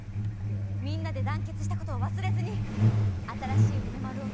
みんなで団結したことを忘れずに新しい梅丸を作ってほしい。